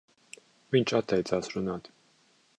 Viņš atteicās runāt.